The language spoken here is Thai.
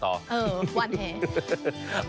เออวันแห่ง